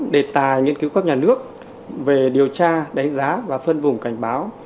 đề tài nghiên cứu các nhà nước về điều tra đánh giá và phân vùng cảnh báo